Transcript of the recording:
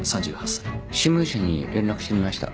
新聞社に連絡してみました。